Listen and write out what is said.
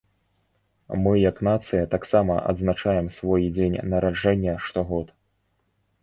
Мы як нацыя таксама адзначаем свой дзень нараджэння штогод.